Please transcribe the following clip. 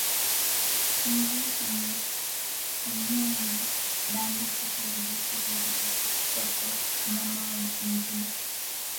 mbu hunyunya damu Kisha virusi hivi hupitishwa kwa mnyama mwingine